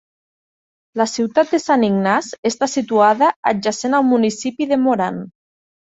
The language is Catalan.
La ciutat de Saint Ignace està situada adjacent al municipi de Moran.